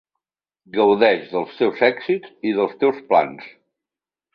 Gaudeix dels teus èxits i dels teus plans.